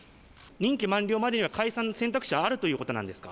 任期満了までには、解散の選択肢はあるということなんですか？